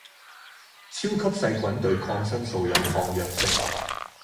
超級細菌對抗生素有抗藥性